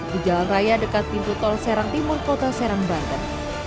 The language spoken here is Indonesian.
di jalan raya dekat pintu tol serang timur kota serang banten